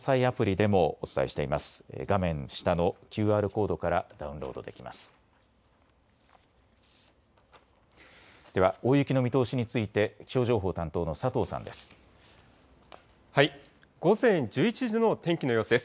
では大雪の見通しについて気象情報担当の佐藤さんです。